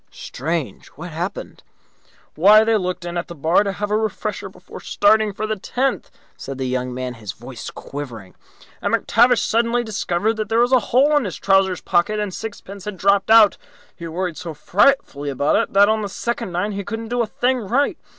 "Strange! What happened?" "Why, they looked in at the bar to have a refresher before starting for the tenth," said the young man, his voice quivering, "and McTavish suddenly discovered that there was a hole in his trouser pocket and sixpence had dropped out. He worried so frightfully about it that on the second nine he couldn't do a thing right.